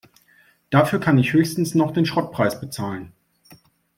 Dafür kann ich höchstens noch den Schrottpreis bezahlen.